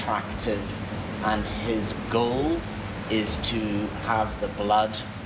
นั่นคือคุณของเรื่องดังนั่นก็คือทางเล่น